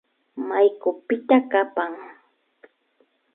Maykupita kapan